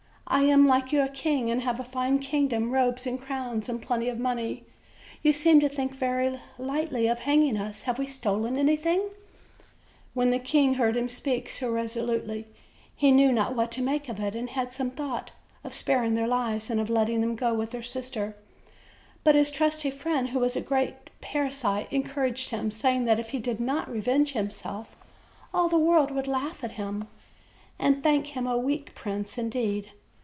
I am, like you, a king, and have a fine kingdom, robes and crowns, and plenty of money; you seem to think very lightly of hanging us; have we stolen anything?" When the king heard him speak so resolutely he knew not what to make of it, and had some thoughts of spar ing their lives, and of letting them go with their sister; but his trusty friend, who was a real parasite, encouraged him; saying that if he did not revenge himself all the world would laugh at him, and think him a weak prince indeed.